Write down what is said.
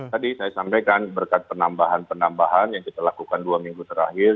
tadi saya sampaikan berkat penambahan penambahan yang kita lakukan dua minggu terakhir